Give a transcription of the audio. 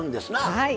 はい。